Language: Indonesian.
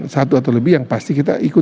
satu atau lebih yang pasti kita ikut